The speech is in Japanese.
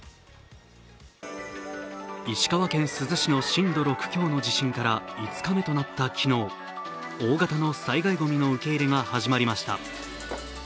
石川県珠洲市の震度６強の地震から５日目となった昨日、大型の災害ごみの受け入れが始まりました。